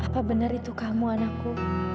apa benar itu kamu anakku